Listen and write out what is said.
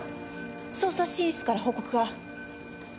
捜査支援室から報告が。